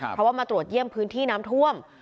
เพราะว่ามาตรวจเยี่ยมพื้นที่น้ำท่วม